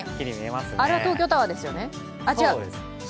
あれは東京タワーですよね？